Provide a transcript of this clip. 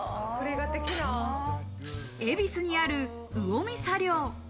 恵比寿にある魚見茶寮。